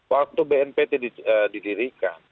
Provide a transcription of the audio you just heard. waktu bnpt didirikan